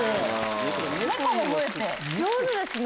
猫も増えて上手ですね！